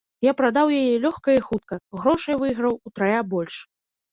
Я прадаў яе лёгка і хутка, грошай выйграў утрая больш.